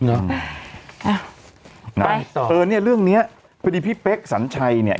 อ่ะไปต่อเออเนี้ยเรื่องเนี้ยพอดีพี่เป๊กสัญชัยเนี่ย